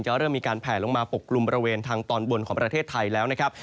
เริ่มมีการแผลลงมาปกกลุ่มบริเวณทางตอนบนของประเทศไทยแล้วนะครับ